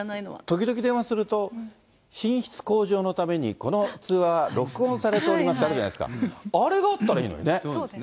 時々電話すると、品質向上のために、この通話は録音されておりますっていうの、あれがあったらいいのそうですね。